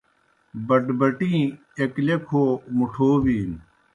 بَٹبَٹِیں ایْک لیکھوْ ہو مُٹَھوٗ بِینوْ۔